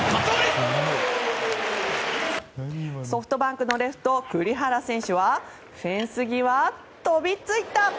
ソフトバンクのレフト栗原選手はフェンス際、飛びついた！